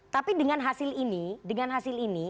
tapi dengan hasil ini dengan hasil ini